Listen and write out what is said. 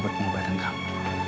buat pengobatan kamu